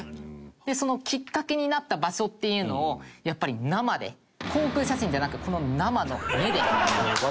そのきっかけになった場所っていうのをやっぱり生で航空写真じゃなくこの生の目で。